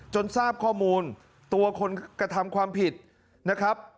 ทราบข้อมูลตัวคนกระทำความผิดนะครับ